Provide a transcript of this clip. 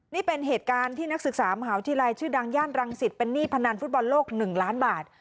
นี่เป็นเหตุการณ์ที่นักศึกษามหาวิทยาลัยชื่อดังย่านรังสิตเป็นหนี้พนันฟุตบอลโลก๑ล้านบาท